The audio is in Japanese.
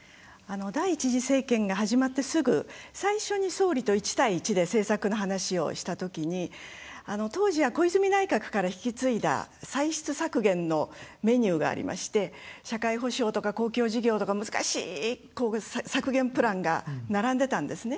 第１次政権が始まってすぐ最初に総理と１対１で政策の話をしたときに当時は、小泉内閣から引き継いだ歳出削減のメニューがありまして社会保障とか公共事業とか難しい削減プランが並んでたんですね。